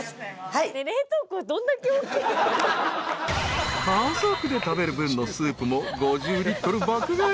［家族で食べる分のスープも５０リットル爆買い］